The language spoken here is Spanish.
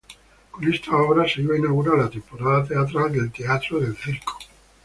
Con esta obra se iba a inaugurar la temporada teatral del Teatro del Circo.